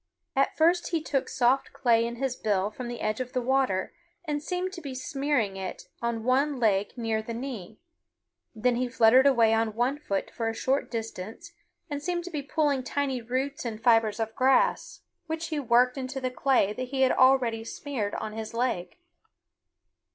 At first he took soft clay in his bill from the edge of the water and seemed to be smearing it on one leg near the knee. Then he fluttered away on one foot for a short distance and seemed to be pulling tiny roots and fibers of grass, which he worked into the clay that he had already smeared on his leg.